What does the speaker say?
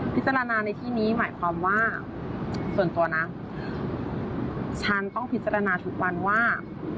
พิจารณาในที่นี้หมายความว่าส่วนตัวนะฉันต้องพิจารณาทุกวันว่า